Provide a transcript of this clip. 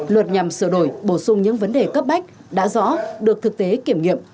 luật nhằm sửa đổi bổ sung những vấn đề cấp bách đã rõ được thực tế kiểm nghiệm